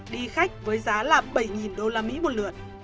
đi khách với giá là bảy usd một lượt